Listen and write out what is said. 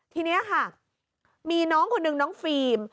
ทีนี้ค่ะมีน้องคนนึงน้องฟิล์ม